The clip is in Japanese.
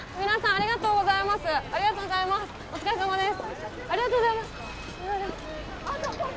ありがとうございます！